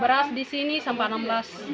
beras di sini sampai enam belas ribu